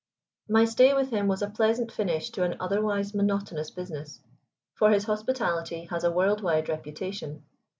My stay with him was a pleasant finish to an otherwise monotonous business, for his hospitality has a world wide reputation.